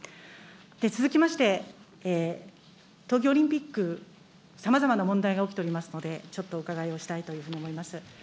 続きまして、東京オリンピック、さまざまな問題が起きておりますので、ちょっとお伺いをしたいというふうに思います。